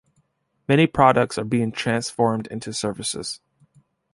Many products are being transformed into services.